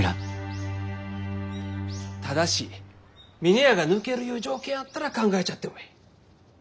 ただし峰屋が抜けるゆう条件やったら考えちゃってもえい。